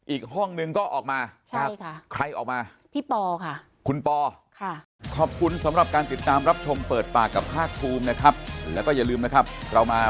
อีกห้องหนึ่งก็ออกมาใช่ค่ะใครออกมา